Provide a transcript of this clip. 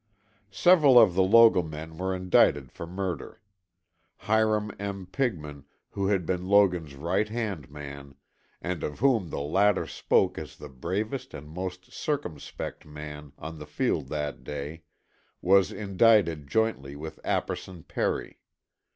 Several of the Logan men were indicted for murder, Hiram M. Pigman, who had been Logan's right hand man, and of whom the latter spoke as the bravest and most circumspect man on the field that day, was indicted jointly with Apperson Perry.